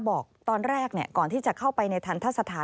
บอกตอนแรกก่อนที่จะเข้าไปในทันทะสถาน